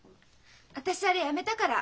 私あれやめたから。